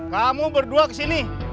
kamu berdua kesini